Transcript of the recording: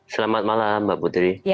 selamat malam mbak putri